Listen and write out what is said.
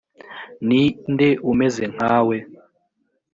ni nde umeze nkawe?,